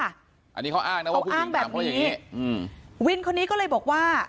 อันนี้เขาอ้างนะว่าผู้หญิงถามเขาอย่างนี้วินคนนี้ก็เลยบอกว่า